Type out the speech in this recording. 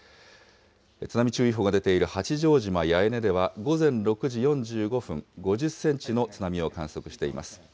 津波注意報が出ている八丈島八重根では午前６時４５分、５０センチの津波を観測しています。